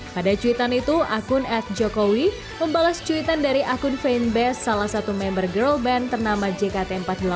pada cuitan itu akun at jokowi membalas cuitan dari akun fanbase salah satu member girl band ternama jkt empat puluh delapan